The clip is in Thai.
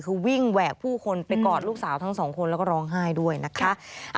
คือวิ่งแหวกผู้คนไปกอดลูกสาวทั้งสองคนแล้วก็ร้องไห้ด้วยนะคะ